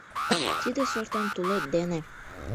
Тиде сортан тулет дене